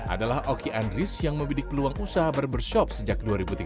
adalah oki andris yang membidik peluang usaha barbershop sejak dua ribu tiga belas